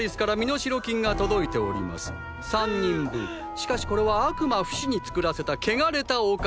しかしこれは悪魔フシに作らせた汚れたお金。